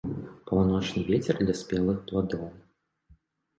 Паўночны вецер для спелых пладоў.